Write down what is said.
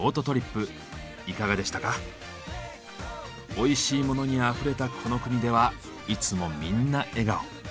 おいしいモノにあふれたこの国ではいつもみんな笑顔。